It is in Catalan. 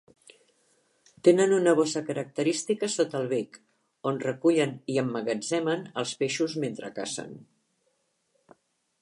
Tenen una bossa característica sota el bec, on recullen i emmagatzemen els peixos mentre cacen.